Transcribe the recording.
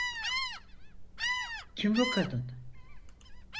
Kim bu kadın?